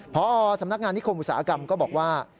พอสำนักงานนิคมอุตสาหกรรมก็บอกว่า